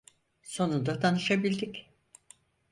Sonunda tanışabildik.